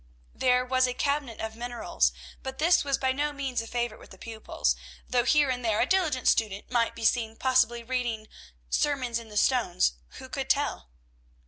There was a cabinet of minerals; but this was by no means a favorite with the pupils, though here and there a diligent student might be seen possibly reading "sermons in the stones," who could tell!